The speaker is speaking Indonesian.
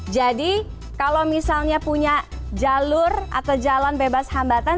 jadi kalau misalnya punya jalur atau jalan bebas hambatan